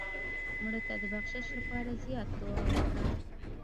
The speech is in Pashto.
مړه ته د بخشش لپاره زیات دعا وکړه